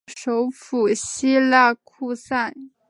首府锡拉库萨。